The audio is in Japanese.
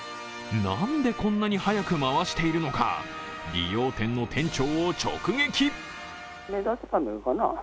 なんで、こんなに速く回しているのか、理容店の店長を直撃。